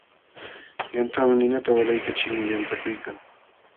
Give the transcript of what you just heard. Yantawan ninata walaykachilmi watyakuykan.